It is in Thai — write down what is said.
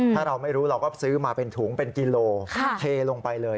ถ้าเราไม่รู้เราก็ซื้อมาเป็นถุงเป็นกิโลเทลงไปเลย